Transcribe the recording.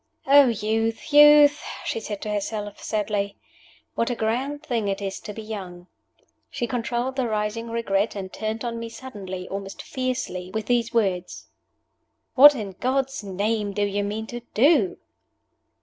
"Oh, youth, youth!" she said to herself, sadly. "What a grand thing it is to be young!" She controlled the rising regret, and turned on me suddenly, almost fiercely, with these words: "What, in God's name, do you mean to do?"